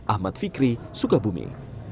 ahmad fikri sugabumi